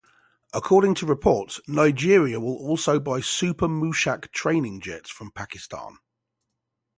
According to reports, Nigeria will also buy Super mushak training jets from Pakistan.